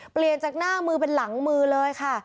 เปลี่ยนจากหน้ามือเป็นหลังมือเลยค่ะ